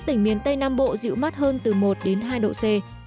tây nam bộ dịu mắt hơn từ một hai độ c